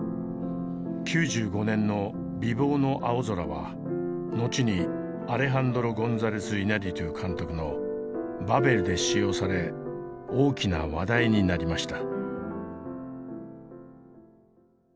９５年の「ＢｉｂｏｎｏＡｏｚｏｒａ」は後にアレハンドロ・ゴンザレス・イニャリトゥ監督の「バベル」で使用され大きな話題になりました。